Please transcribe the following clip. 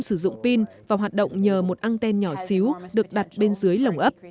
trẻ sinh non không sử dụng pin và hoạt động nhờ một anten nhỏ xíu được đặt bên dưới lồng ấp